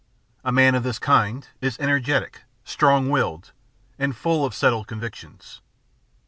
A man of this kind is energetic, strong willed, and full of settled convictions.